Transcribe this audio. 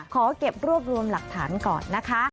ขอเก็บรวบรวมหลักฐานก่อนนะคะ